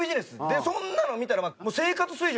でそんなの見たら。